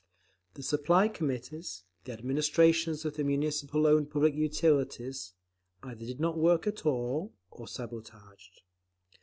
The Supply Committees, the administrations of the Municipal owned public utilities, either did not work at all, or sabotaged.